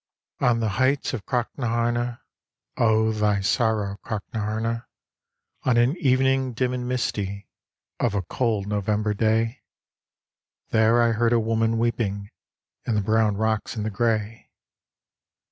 On the heights of Crocknahama, (Oh, thy sorrow Crocknahama) On an evening dim and misty 169 170 CROCKNAHARNA Of a cold November day, There I heard a woman weeping In the brown rocks and the grey.